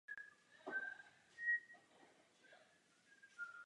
Jinak řečeno, nevzdali se ničeho.